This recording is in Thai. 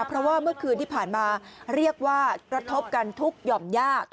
เพราะว่าเมื่อคืนที่ผ่านมาเรียกว่ากระทบกันทุกหย่อมยาก